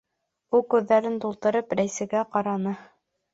Ул, күҙҙәрен тултырып, Рәйсәгә ҡараны.